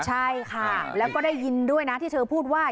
ใช่ค่ะแล้วก็ได้ยินด้วยนะที่เธอพูดว่า